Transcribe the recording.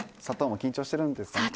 砂糖も緊張してるんですかね。